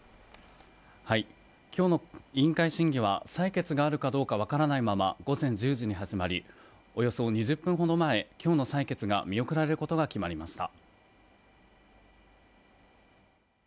今日の委員会審議は採決があるかどうかわからないまま午前１０時に始まり、およそ２０分ほど前、今日の採決が見送られることが決まりました。